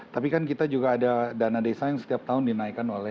tapi kan kita juga ada dana desa yang setiap tahun dinaikkan oleh